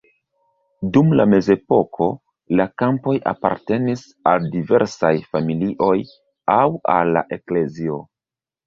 Dum la mezepoko la kampoj apartenis al diversaj familioj aŭ al la eklezio.